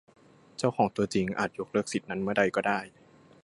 เจ้าของตัวจริงอาจยกเลิกสิทธิ์นั้นเมื่อใดก็ได้